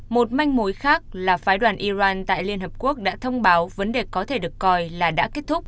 một manh mối khác là phái đoàn iran tại liên hợp quốc đã thông báo vấn đề có thể được coi là đã kết thúc